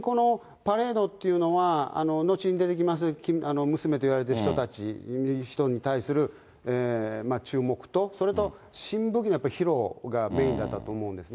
要するにこのパレードというのは、後に出てきます、娘といわれてる人たちに対する注目と、それと新武器の披露がメインだったと思うんですね。